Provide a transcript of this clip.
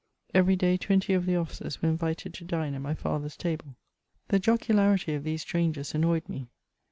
* Every day twenty of the officers were invited to dine at my father's table. The jocularity of these strangers annoyed me.